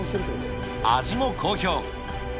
味も好評。